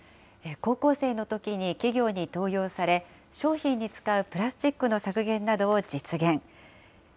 高校生のときに企業に登用され、商品に使うプラスチックの削減などを実現。